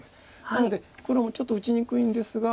なので黒もちょっと打ちにくいんですが。